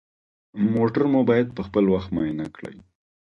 موټر مو باید پخپل وخت معاینه کړئ.